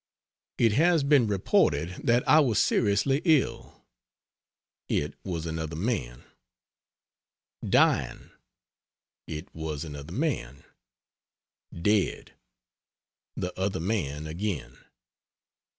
It has been reported that I was seriously ill it was another man; dying it was another man; dead the other man again.